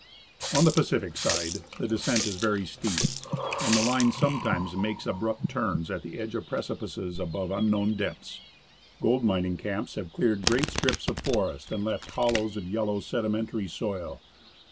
On the Pacific side the descent is very steep, and the line sometimes makes abrupt turns at the edge of precipices above unknown depths. Gold mining camps have cleared great strips of forest and left hollows of yellow, sedimentary soil.